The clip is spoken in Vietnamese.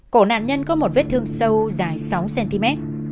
cổ nạn nhân có một vết thương sâu dài sáu cm